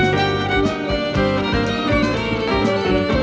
สวัสดีครับ